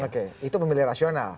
oke itu pemilih rasional